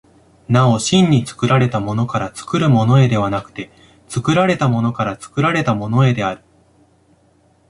なお真に作られたものから作るものへではなくて、作られたものから作られたものへである。